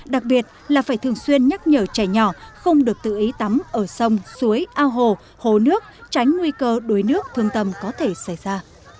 đặc biệt là phải thường xuyên nhắc nhở trẻ nhỏ không được tự ý tắm ở sông suối ao hồ hồ nước tránh nguy cơ đuối nước thương tâm có thể xảy ra